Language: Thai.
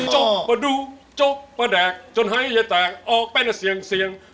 จบประดูจบประแดกจนให้เย็นแตกออกเป็นเสียงเสียง